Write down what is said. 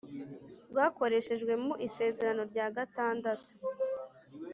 rwakoreshejwe mu Isezerano rya gatandatu